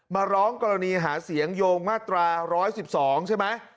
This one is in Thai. มาร้องกรณีหาเสียงโยงมาตราร้อยสิบสองใช่ไหม